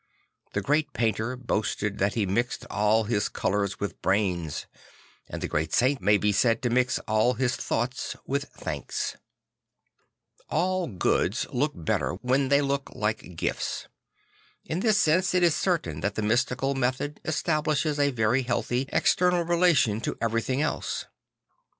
The great painter boasted that he mixed all his colours with brains, and the great saint may be said to mix all his thoughts with thanks. All goods look better Le Jongleur de Dieu 89 when they look like gifts. In this sense it is certain that the mystical method establishes a very healthy external relation to everything else.